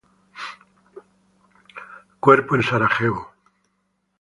Cuerpo en Sarajevo.